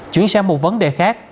chuyển sang một vấn đề khác